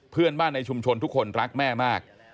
เพื่อนบ้านในชุมชนทุกคนรักแม่มาก